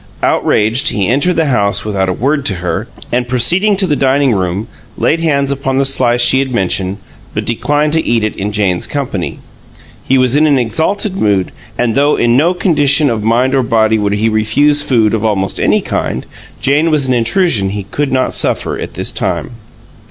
Outraged, he entered the house without a word to her, and, proceeding to the dining room, laid hands upon the slice she had mentioned, but declined to eat it in Jane's company. He was in an exalted mood, and though in no condition of mind or body would he refuse food of almost any kind, Jane was an intrusion he could not suffer at this time.